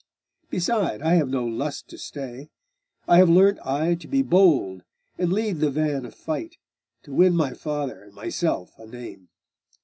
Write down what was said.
Beside, I have no lust to stay; I have learnt Aye to be bold, and lead the van of fight, To win my father, and myself, a name.